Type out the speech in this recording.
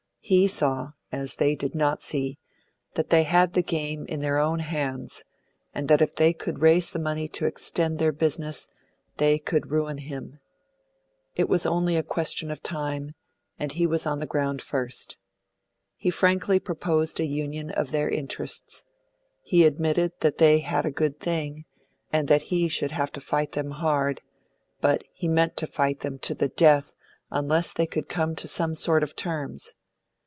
He saw, as they did not see, that they had the game in their own hands, and that if they could raise the money to extend their business, they could ruin him. It was only a question of time, and he was on the ground first. He frankly proposed a union of their interests. He admitted that they had a good thing, and that he should have to fight them hard; but he meant to fight them to the death unless they could come to some sort of terms.